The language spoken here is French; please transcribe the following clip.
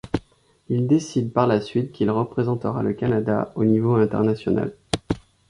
Il décide par la suite qu'il représentera le Canada au niveau international.